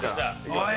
おい！